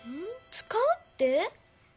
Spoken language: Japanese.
つかうって？